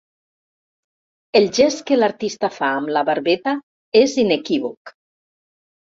El gest que l'artista fa amb la barbeta és inequívoc.